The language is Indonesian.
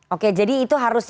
oke jadi itu harusnya